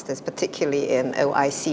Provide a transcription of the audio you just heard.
terutama di negara oic